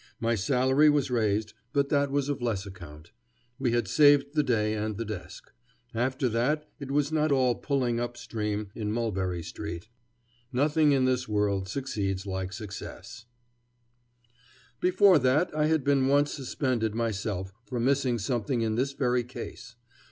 My salary was raised, but that was of less account. We had saved the day and the desk. After that it was not all pulling up stream in Mulberry Street. Nothing in this world succeeds like success. [Illustration: The Bulletin.] Before that I had been once suspended myself for missing something in this very case.